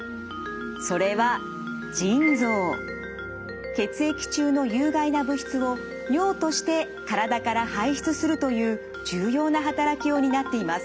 それは血液中の有害な物質を尿として体から排出するという重要な働きを担っています。